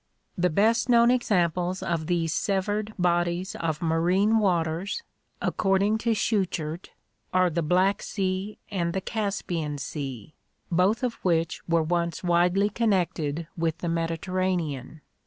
"The best known examples of these severed bodies of marine waters," according to Schuchert, "are the Black Sea and the Caspian Sea, both of which were once widely con nected with the Mediterranean.